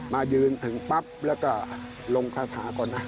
มายืนถึงปั๊บแล้วก็ลงคาถาก่อนนะ